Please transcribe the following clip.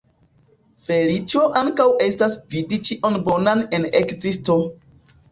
Feliĉo ankaŭ estas vidi ĉion bonan en ekzisto.